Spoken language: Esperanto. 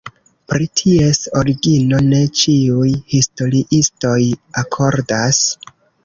Pri ties origino ne ĉiuj historiistoj akordas.